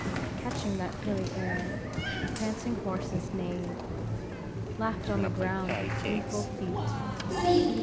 Catching that hilly air, the prancing horses neighed; laughed on the ground with gleeful feet.